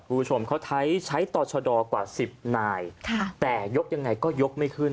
ผู้ชมเขาใช้ต่อชดกว่า๑๐นายแต่ยกยังไงก็ยกไม่ขึ้น